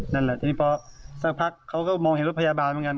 นั่นแหละทีนี้พอสักพักเขาก็มองเห็นรถพยาบาลเหมือนกัน